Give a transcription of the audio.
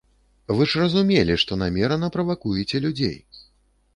Вы ж разумелі, што намерана правакуеце людзей!